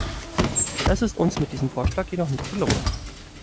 Das ist uns mit diesem Vorschlag jedoch nicht gelungen.